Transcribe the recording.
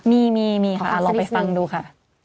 มีค่ะเราไปฟังดูค่ะ